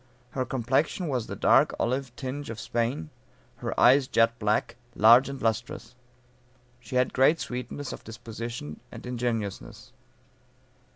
Her complexion was the dark olive tinge of Spain; her eyes jet black, large and lustrous. She had great sweetness of disposition and ingenuousness.